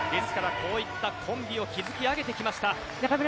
こういったコンビを築き上げて来ました。